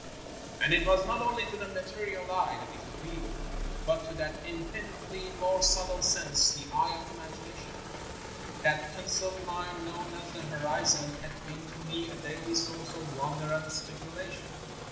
And it was not only to the material eye that it appealed, but to that infinitely more subtle sense, the eye of imag ination. That penciled line known as the horizon had been to me a daily source of wonder and speculation.